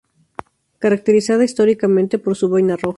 Caracterizada históricamente por su boina roja.